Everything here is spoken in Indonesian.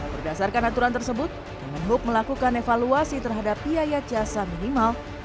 berdasarkan aturan tersebut kemenhub melakukan evaluasi terhadap biaya jasa minimal